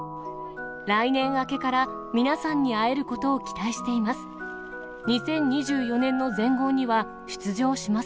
来年明けから皆さんに会えることを期待しています。